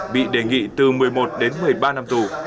bị đề nghị từ một mươi một đến một mươi ba năm tù